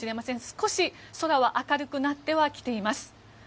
少し空は明るくなってはきています。